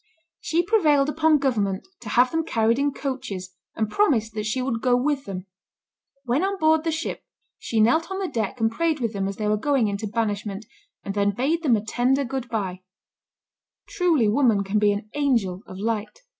She prevailed upon government to have them carried in coaches, and promised that she would go with them. When on board the ship, she knelt on the deck and prayed with them as they were going into banishment, and then bade them a tender good by. Truly woman can be an angel of light.